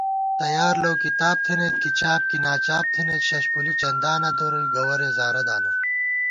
تیار لَؤ کِتاب تھنَئیت ، کی چاپ کی ناچاپ تھنَئیتشَشپُولی چندا نہ درُوئی ،گوَرے زارہ دالون